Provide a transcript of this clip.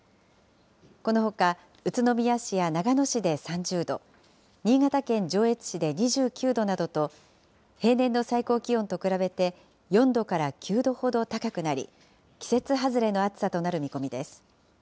このほか宇都宮市や長野市で３０度、新潟県上越市で２９度などと、平年の最高気温と比べて４度から９度ほど高くなり、季節外れの暑さとなる見込みです。